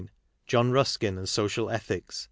John Buskin and Social Ethics.